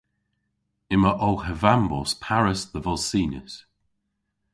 Yma ow hevambos parys dhe vos sinys.